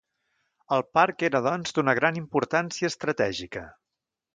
El parc era doncs d'una gran importància estratègica.